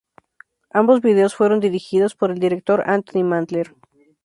Ambos videos fueron dirigidos por el director Antony Mandler.